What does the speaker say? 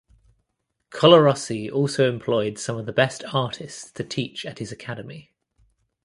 Colarossi also employed some of the best artists to teach at his academy.